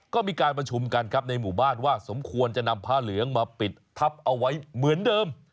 ก็มีการประชุมกันครับในหมู่บ้านว่าสมควรจะนำผ้าเหลืองมาปิดทับเอาไว้เหมือนเดิม